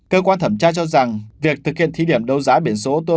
cơ quan thẩm tra cho rằng việc thực hiện thí điểm đấu giá biển số ô tô